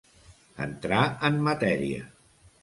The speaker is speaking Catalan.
Entrar en matèria.